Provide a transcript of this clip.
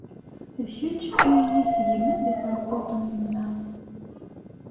D kečč i iyi-issegman di tɛebbuḍt n yemma.